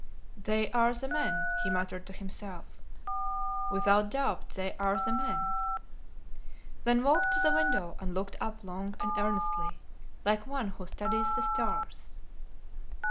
"They are the men," he muttered to himself, "without doubt they are the men," then walked to the window and looked up long and earnestly, like one who studies the stars.